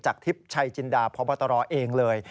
ทิพย์ชัยจินดาพบตรเองเลย